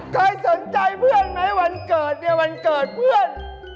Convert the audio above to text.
เคยสนใจเพื่อนไหมวันเกิดเนี่ยวันเกิดเพื่อน